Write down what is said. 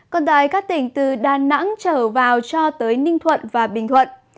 còn tại các tỉnh từ đà nẵng trở vào cho tới ninh thuận và bình thuận